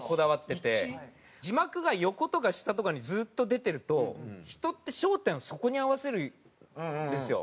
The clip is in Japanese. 字幕が横とか下とかにずっと出てると人って焦点をそこに合わせるんですよ。